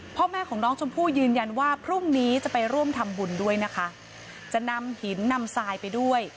พ่อแม่ของน้องชมพู่ยืนยันว่าพรุ่งนี้จะไปร่วมทำบุญด้วยนะคะจะนำหินนำทรายไปด้วย